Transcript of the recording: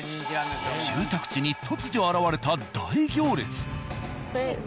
住宅地に突如現れた大行列。